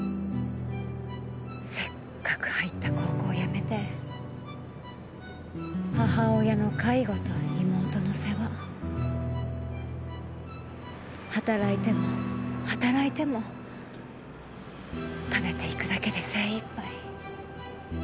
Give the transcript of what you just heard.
せっかく入った高校を辞めて母親の介護と妹の世話。働いても働いても食べていくだけで精一杯。